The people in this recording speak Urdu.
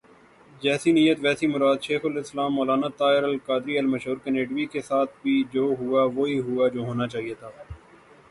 جیسی نیت ویسی مراد ، شیخ الاسلام مولانا طاہرالقادری المشور کینڈیوی کے ساتھ بھی جو ہوا ، وہی ہوا ، جو ہونا چاہئے تھا ۔